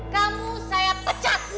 kamu saya pecat